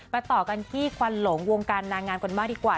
ต่อกันที่ควันหลงวงการนางงามกันบ้างดีกว่า